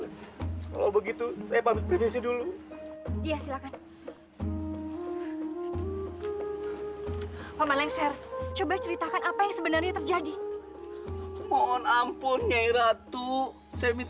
rakyat kian santal telah diculik oleh orang jahat